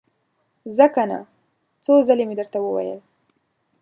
ځه کنه! څو ځلې مې درته وويل!